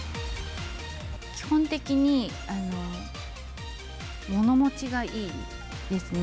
基本的に、物持ちがいいですね。